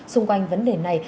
xung quanh vấn đề này